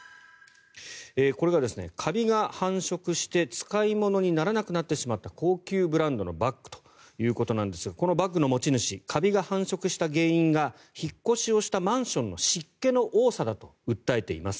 これがカビが繁殖して使い物にならなくなってしまった高級ブランドのバッグということなんですがこのバッグの持ち主カビが繁殖した原因が引っ越しをしたマンションの湿気の多さだと訴えています。